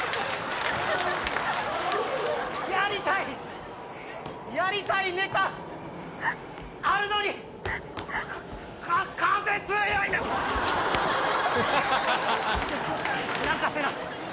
やりたい、やりたいネタあるのに、か、風強いな。